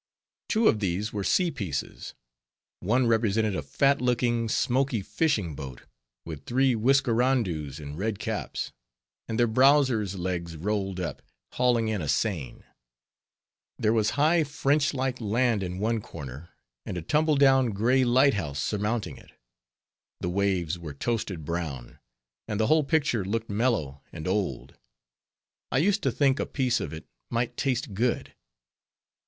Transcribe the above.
Two of these were sea pieces. One represented a fat looking, smoky fishing boat, with three whiskerandoes in red caps, and their browsers legs rolled up, hauling in a seine. There was high French like land in one corner, and a tumble down gray lighthouse surmounting it. The waves were toasted brown, and the whole picture looked mellow and old. I used to think a piece of it might taste good.